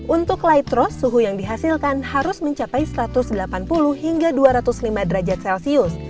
untuk lightross suhu yang dihasilkan harus mencapai satu ratus delapan puluh hingga dua ratus lima derajat celcius